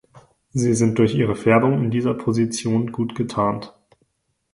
Sie sind durch ihre Färbung in dieser Position gut getarnt.